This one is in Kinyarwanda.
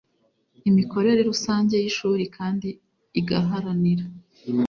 imikorere rusange y ishuri kandi igaharanira